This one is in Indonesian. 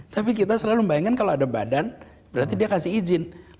tapi kita selalu membayangkan kalau ada badan berarti dia kasih izin